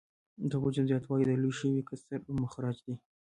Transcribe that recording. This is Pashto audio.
د حجم زیاتوالی د لوی شوي کسر مخرج دی